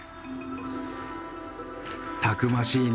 たくましいね